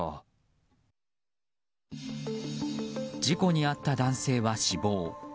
事故に遭った男性は死亡。